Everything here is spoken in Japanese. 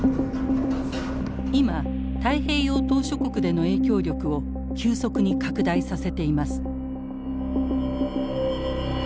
今太平洋島しょ国での影響力を急速に拡大させています。